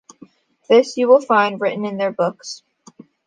This you will find written in their books.